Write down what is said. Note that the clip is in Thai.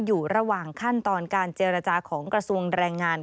อยู่ระหว่างขั้นตอนการเจรจาของกระทรวงแรงงาน